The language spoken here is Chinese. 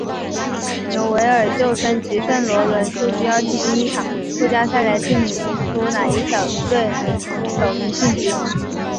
纽维尔旧生及圣罗伦素需要进行一场附加赛来定出哪一队以小组首名晋级。